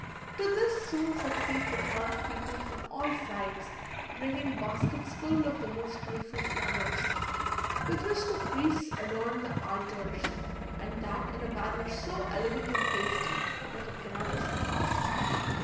To this soon succeeds a crowd of people from all sides, bringing baskets full of the most beautiful flowers, with which the priests adorn the altars, and that in a manner so elegant and tasty, that it cannot be surpassed.